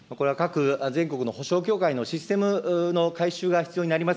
これは各全国の保証協会のシステムの改修が必要になります。